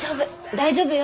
大丈夫よ。